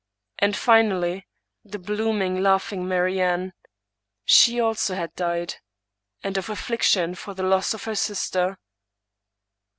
And, finally, the blooming, laughing Mariamne, she also had died — ^and of affliction for the loss of her sister.